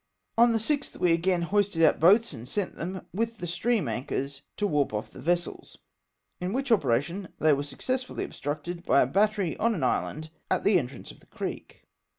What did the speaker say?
On the 6th we again hoisted out boats and sent them with the stream anchors to warp off the vessels, in ANCHOR OFF CORDOVAN. 213 which operation they were successfully obstructed by a battery on an island at the entrance of the creek.